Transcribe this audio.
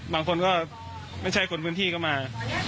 บางคนก็ไม่ใช่คนพื้นที่ก็มา